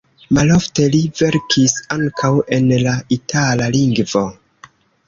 Malofte li verkis ankaŭ en la itala lingvo.